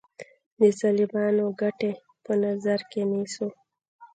د ظالمانو ګټې په نظر کې نیسو.